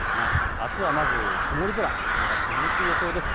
あすは曇り空、これが続く予想です。